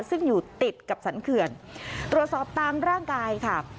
ซึ่งอยู่ติดกับสรรเขื่อนตรวจสอบตามร่างกายค่ะ